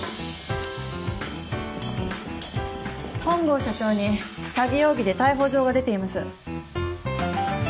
本郷社長に詐欺容疑で逮捕状が出ています。